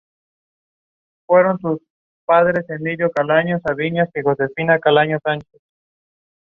Debido a la crisis económica, emigró a Australia teniendo diversas ocupaciones.